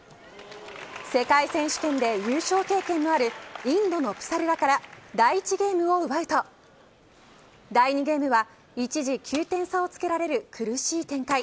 世界選手権で優勝経験のあるインドのプサルラから第１ゲームを奪うと第２ゲームは一時９点差をつけられる苦しい展開。